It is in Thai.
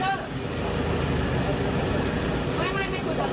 อันนี้ไม่ได้บรรหัส